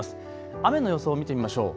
雨の予想を見てみましょう。